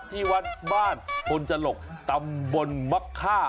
ที่วัดบ้านพลจลกตำบลมะค่า